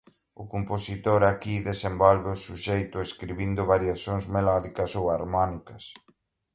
O compositor aquí desenvolve o suxeito escribindo variacións melódicas ou harmónicas.